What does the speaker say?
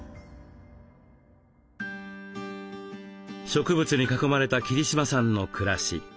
植物に囲まれた桐島さんの暮らし。